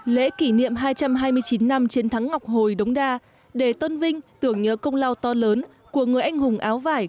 lễ kỷ niệm hai trăm hai mươi chín năm chiến thắng ngọc hồi đống đa để tôn vinh tưởng nhớ công lao to lớn của người anh hùng áo vải